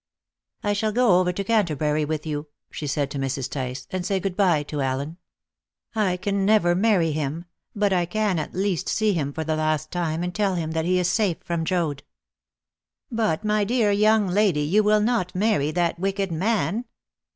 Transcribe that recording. "I shall go over to Canterbury with you," she said to Mrs. Tice, "and say good bye to Allen. I can never marry him; but I can at least see him for the last time, and tell him that he is safe from Joad." "But, my dear young lady, you will not marry that wicked man?"